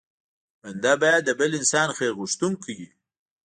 بنده بايد د بل انسان خیر غوښتونکی وي.